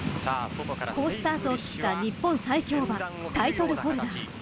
［好スタートを切った日本最強馬タイトルホルダー。